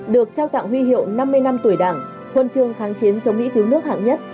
được trao tặng huy hiệu năm mươi năm tuổi đảng huân chương kháng chiến chống mỹ cứu nước hạng nhất